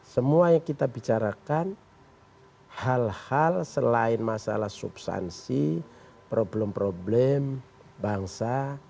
semua yang kita bicarakan hal hal selain masalah substansi problem problem bangsa